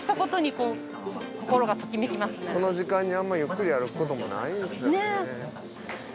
この時間にあんまりゆっくり歩くこともないですよね。